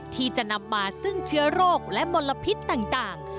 ที่จะนำมาซึ่งเชื้อโรคและมลพิษต่าง